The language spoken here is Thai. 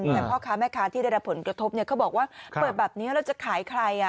แต่พ่อค้าแม่ค้าที่ได้รับผลกระทบเขาบอกว่าเปิดแบบนี้แล้วจะขายใคร